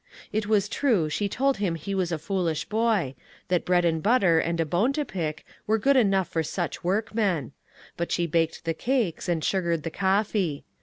It was true she told him he was a foolish boy ; that bread and butter and a bone to pick were good enough for such workmen ; but she baked the cakes, and sugared the coffee.